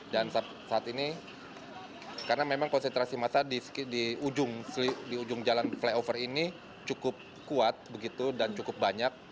dan saat ini karena memang konsentrasi massa di ujung jalan flyover ini cukup kuat begitu dan cukup banyak